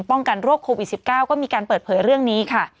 กันโรคโควิด๑๙ก็มีการเปิดเผยเรื่องนี้ค่ะ